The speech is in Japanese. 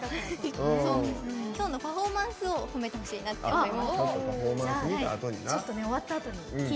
今日のパフォーマンスを褒めてほしいなって思います。